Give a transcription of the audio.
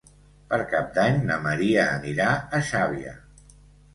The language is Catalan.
Per Cap d'Any na Maria anirà a Xàbia.